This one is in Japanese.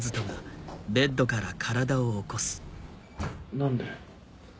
何で？